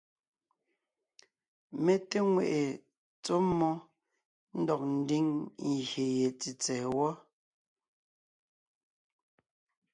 Mé té ŋweʼe tsɔ́ mmó ndɔg ńdiŋ gyè ye tsètsɛ̀ɛ wɔ.